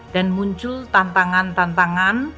dan muncul tantangan tantangan